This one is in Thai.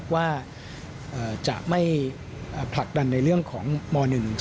ว่าจะไม่ผลักดันในเรื่องของม๑๒